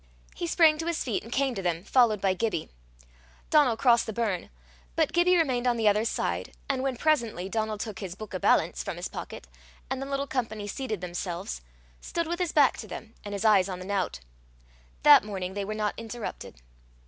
He sprang to his feet and came to them, followed by Gibbie. Donal crossed the burn, but Gibbie remained on the other side, and when presently Donal took his "buik o' ballants" from his pocket, and the little company seated themselves, stood with his back to them, and his eyes on the nowt. That morning they were not interrupted.